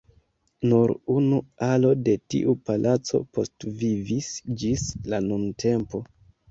Nur unu alo de tiu palaco postvivis ĝis la nuntempo.